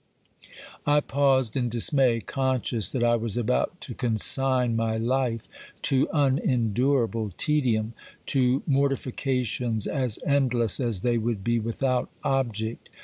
I paused in dismay, conscious that I was about to consign my life to unendurable tedium, to mortifications as endless as they would be without object.